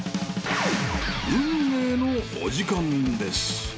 ［運命のお時間です］